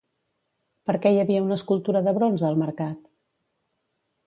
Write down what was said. Per què hi havia una escultura de bronze al mercat?